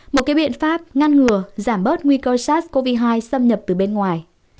một cái biện pháp ngăn ngừa giảm bớt nguy cơ sars cov hai xâm nhập từ bên ngoài